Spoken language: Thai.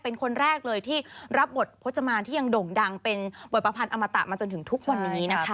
เป็นคนแรกเลยที่รับบทพจมานที่ยังด่งดังเป็นบทประพันธ์อมตะมาจนถึงทุกวันนี้นะคะ